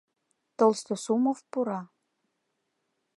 Толстосумов пура.